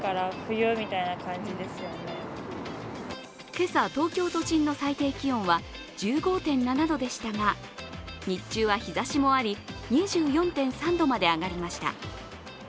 今朝、東京都心の最低気温は１５．７度でしたが日中は日ざしもあり２４．３度まで上がりました。